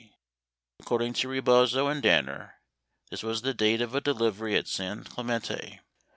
— July 3, 1970 — According to Rebozo and Danner, this was the date of a delivery at San Clemente.